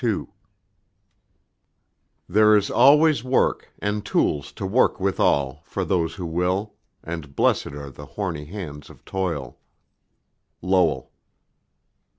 II There is always work, And tools to work withal, for those who will; And blessed are the horny hands of toil! LOWELL.